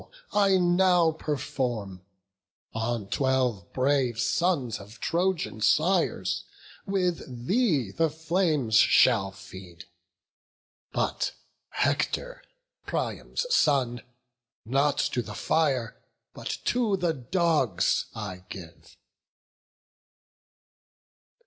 I now perform: On twelve brave sons of Trojan sires, with thee, The flames shall feed; but Hector, Priam's son, Not to the fire, but to the dogs I give."